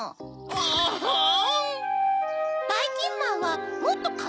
アンアン。